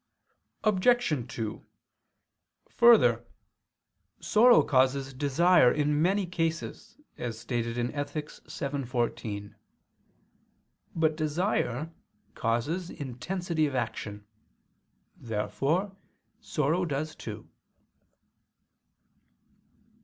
Obj. 2: Further, sorrow causes desire in many cases, as stated in Ethic. vii, 14. But desire causes intensity of action. Therefore sorrow does too.